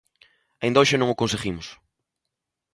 Aínda hoxe non o conseguimos.